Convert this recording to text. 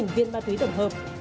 sáu viên ma túy tổng hợp